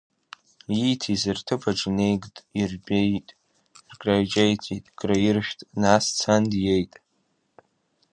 Ииҭиз рҭыԥаҿ инеигт, иртәеит, краҿеиҵт, краиржәт, нас дцан диеит.